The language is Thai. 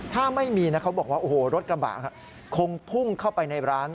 ถ้าไม่มีนะเขาบอกว่าโอ้โหรถกระบะคงพุ่งเข้าไปในร้าน